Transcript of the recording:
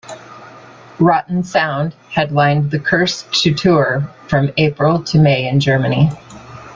Rotten Sound headlined the "Cursed to Tour" from April to May in Germany.